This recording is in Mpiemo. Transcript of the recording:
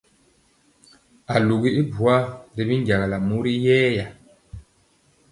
Alugi y buaya ri binjagala mori yɛɛya.